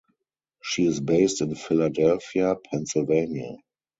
She is based in Philadelphia, Pennsylvania.